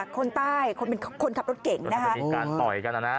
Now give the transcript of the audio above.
คนใต้คนเป็นคนขับรถเก่งนะคะมีการต่อยกันนะนะ